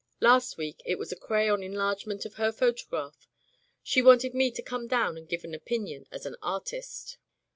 Last week it was a crayon enlargement of her photograph. She wanted me to come down and give my opinion as an artist."